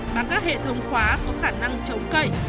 bằng các hệ thống khóa có khả năng chống cậy